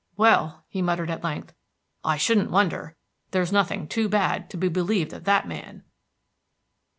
"Well," he muttered at length, "I shouldn't wonder! There's nothing too bad to be believed of that man."